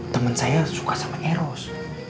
teman saya suka sama eros